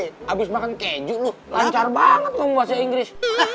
eh mr lo abis makan keju lo lancar banget ngomong bahasa inggris